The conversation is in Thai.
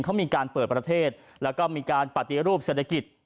เขามีการเปิดประเทศแล้วก็มีการปฏิรูปเศรษฐกิจ